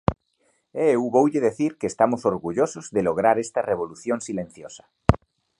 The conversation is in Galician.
E eu voulle dicir que estamos orgullosos de lograr esta revolución silenciosa.